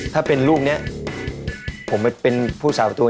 ถ้าเป็นลูกที่ฉันเป็นผู้สราประตูแล้ว